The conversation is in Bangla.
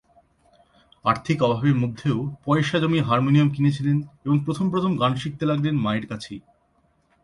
আর্থিক অভাবের মধ্যেও পয়সা জমিয়ে হারমোনিয়াম কিনে ছিলেন এবং প্রথম প্রথম গান শিখতে লাগলেন মায়ের কাছেই।